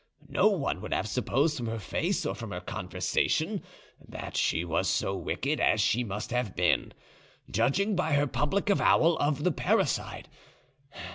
No one would have supposed from her face or from her conversation that she was so wicked as she must have been, judging by her public avowal of the parricide.